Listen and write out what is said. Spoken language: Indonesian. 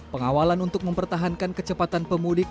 pengawalan untuk mempertahankan kecepatan pemudik